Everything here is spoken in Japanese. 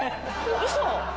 ウソ。